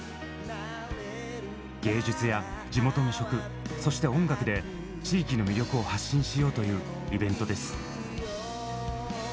芸術や地元の食そして音楽で地域の魅力を発信しようというイベントです。